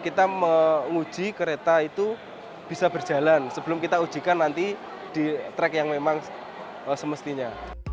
kita menguji kereta itu bisa berjalan sebelum kita ujikan nanti di track yang memang semestinya